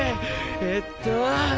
えっとぉ！